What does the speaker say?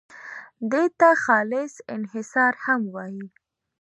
دې ته خالص انحصار هم وایي.